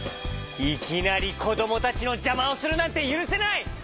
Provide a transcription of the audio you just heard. いきなりこどもたちのじゃまをするなんてゆるせない！